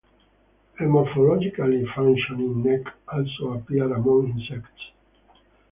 A morphologically functioning neck also appears among insects.